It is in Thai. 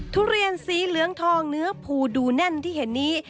ทุเรียนสีเหลืองทองเนื้อภูดูแน่นที่เห็นนี้